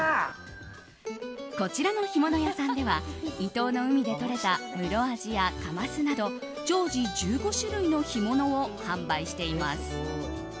こちらの干物屋さんでは伊東の海でとれたムロアジやカマスなど常時１５種類の干物を販売しています。